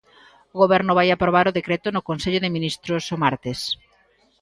O Goberno vai aprobar o decreto no Consello de Ministros o martes.